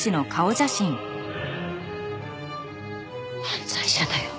犯罪者だよ！